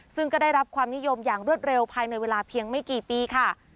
ซึ่งก็ได้รับความนิยมอย่างรวดเร็วภายในเวลาเพียงไม่กี่ปีค่ะ